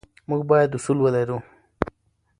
موږ باید اصول ولرو.